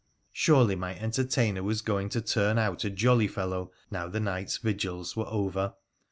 Surely my entertainer was going to turn out a jolly fellow, now the night's vigils were over